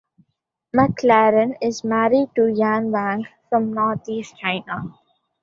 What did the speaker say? McLaren is married to Yan Wang from Northeast China.